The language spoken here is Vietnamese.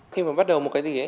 khi mà bắt đầu một cái gì